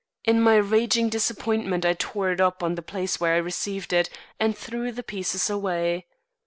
In my raging disappointment I tore it up on the place where I received it, and threw the pieces away.